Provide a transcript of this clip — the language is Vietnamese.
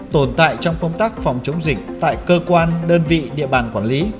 tồn tại trong công tác phòng chống dịch tại cơ quan đơn vị địa bàn quản lý